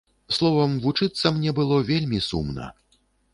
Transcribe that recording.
Словам, вучыцца мне было вельмі сумна.